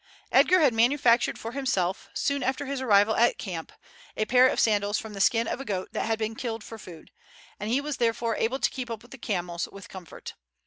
Edgar had manufactured for himself, soon after his arrival at the camp, a pair of sandals from the skin of a goat that had been killed for food, and he was therefore able to keep up with the camels with comfort.